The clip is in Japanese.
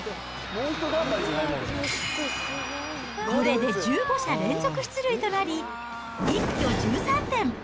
これで１５者連続出塁となり、一挙１３点。